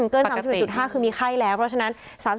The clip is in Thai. เกิน๓๑๕คือมีไข้แล้วเพราะฉะนั้น